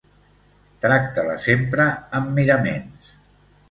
Tracta-la sempre am miraments